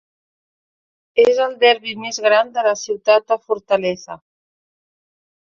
És el derbi més gran de la ciutat de Fortaleza.